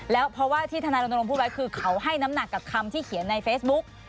แล้วเพราะว่าที่ธนายรณรงค์พูดไว้คือเขาให้น้ำหนักกับคำที่เขียนในเฟซบุ๊ก